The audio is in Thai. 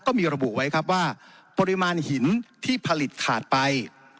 ก็มีระบุไว้ครับว่าปริมาณหินที่ผลิตขาดไป